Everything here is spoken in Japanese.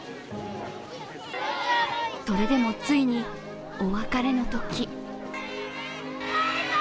それでもついにお別れの時。